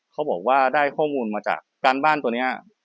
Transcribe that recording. เขาบอกว่าได้ข้อมูลมาจากการบ้านตัวนี้